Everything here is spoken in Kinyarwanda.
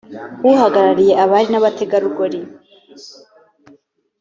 uhagarariye abari n ababategarugori